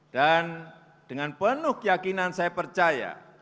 dan dengan penuh keyakinan saya percaya